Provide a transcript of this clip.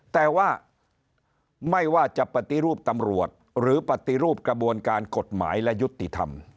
แต่ว่าไม่ว่าจะปฏิรูปตำรวจหรือปฏิรูปกระบวนการกฎหมายและยุติธรรม